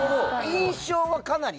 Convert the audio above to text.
印象はかなりいい。